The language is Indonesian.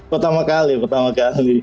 pertama kali pertama kali